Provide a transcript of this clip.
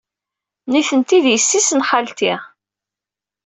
Nitenti d yessi-s n xalti.